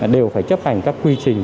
đều phải chấp hành các quy trình